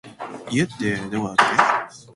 家ってどこだっけ